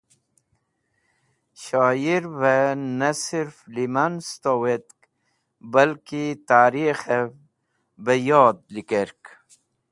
Shyir vẽ ne sirf lẽman stowet balki tarikhẽf bẽ yod likerk.